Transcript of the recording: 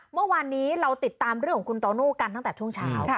เมื่อวานนี้เราติดตามเรื่องของคุณโตโน่กันตั้งแต่ช่วงเช้า